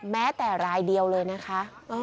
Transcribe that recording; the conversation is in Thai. แม้แต่รายเดียวเลยนะคะ